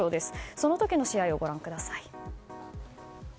その時の試合をご覧ください。